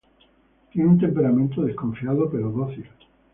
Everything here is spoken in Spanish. Tiene un temperamento desconfiado pero dócil.